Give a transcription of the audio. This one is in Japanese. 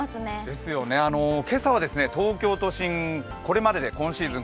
ですよね、今朝は東京都心、今シーズン